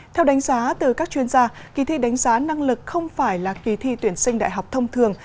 theo đánh giá từ các chuyên gia kỳ thi đánh giá năng lực không phải là kỳ thi tuyển sinh đại học thông thường